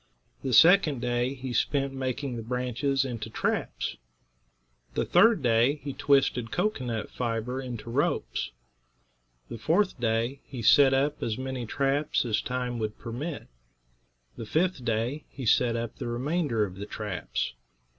The second day he spent making the branches into traps. The third day he twisted cocoanut fiber into ropes. The fourth day he set up as many traps as time would permit. The fifth day he set up the remainder of the traps.